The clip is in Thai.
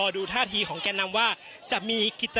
ดูถ้าที่ของแกนนำว่าจะมีโธค